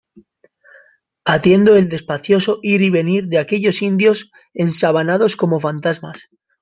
atiendo el despacioso ir y venir de aquellos indios ensabanados como fantasmas